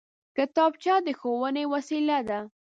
کتابچه د ښوونې وسېله ده